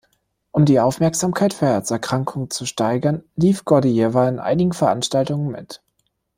Um die Aufmerksamkeit für Herzerkrankungen zu steigern, lief Gordejewa in einigen Veranstaltungen mit.